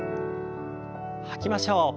吐きましょう。